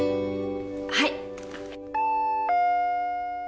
はい！